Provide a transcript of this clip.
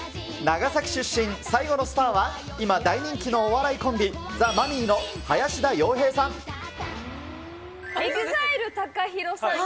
長崎出身最後のスターは、今大人気のお笑いコンビ、ザ・マミィの林田洋平さん。